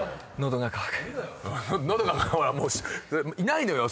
いないのよ！